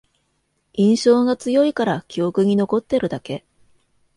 印象が強いから記憶に残ってるだけ